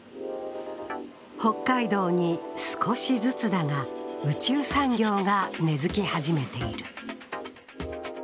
北海道に少しずつだが宇宙産業が根付き始めている。